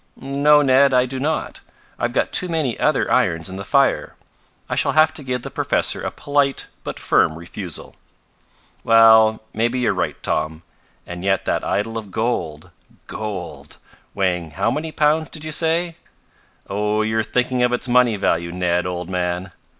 "No, Ned, I do not. I've got too many other irons in the fire. I shall have to give the professor a polite but firm refusal." "Well, maybe you're right, Tom; and yet that idol of gold GOLD weighing how many pounds did you say?" "Oh, you're thinking of its money value, Ned, old man!"